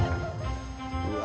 うわ。